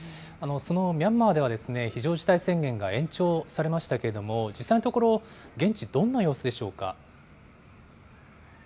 そのミャンマーでは、非常事態宣言が延長されましたけれども、実際のところ、現地、どんな様子でしょうか。